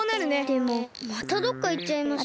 でもまたどっかいっちゃいました。